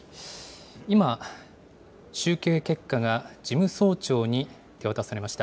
今、集計結果が事務総長に手渡されました。